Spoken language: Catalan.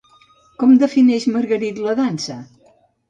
Com defineix Margarit la dansa?